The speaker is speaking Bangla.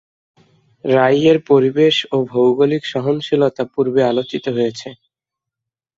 রাই এর পরিবেশ ও ভৌগোলিক সহনশীলতা পুর্বে আলোচিত হয়েছে।